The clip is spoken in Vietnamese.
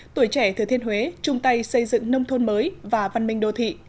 tuổi trẻ thừa thiên huế chung tay xây dựng nông thôn mới và văn minh đô thị